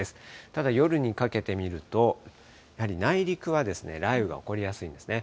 ただ、夜にかけて見ると、やはり内陸は雷雨が起こりやすいんですね。